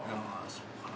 そうかな。